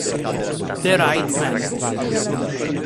The Right Man